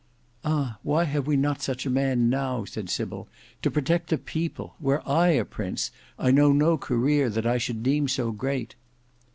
"Ah! why have we not such a man now," said Sybil, "to protect the people! Were I a prince I know no career that I should deem so great."